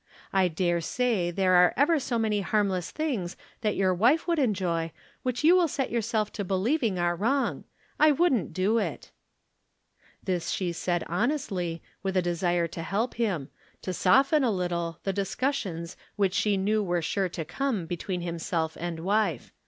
I dare say there are ever so many harmless things that your wife would enjoy wliich you will set yourself to believing are wrong. I wouldn't ck) it." This she said honestly, with a desire to help him — to soften a little the discussions which she knew were sure to come between himseK and wife.